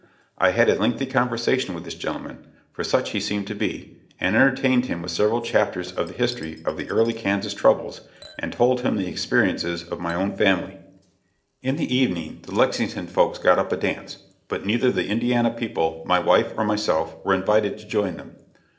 I had a lengthy conversation with this gentleman for such he seemed to be and entertained him with several chapters of the history of the early Kansas troubles, and told him the experiences of my own family. In the evening the Lexington folks got up a dance, but neither the Indiana people, my wife or myself were invited to join them.